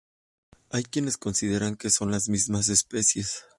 Hay quienes consideran que son la misma especie.